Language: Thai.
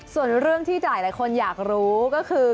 ส่วนเรื่องที่หลายคนอยากรู้ก็คือ